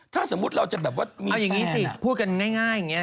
ถ้าสมมุติเราจะแบบว่ามีอย่างนี้สิพูดกันง่ายอย่างนี้